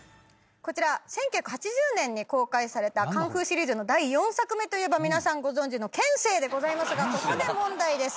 こちら１９８０年に公開されたカンフーシリーズの第４作目といえば皆さんご存じの『拳精』でございますがここで問題です。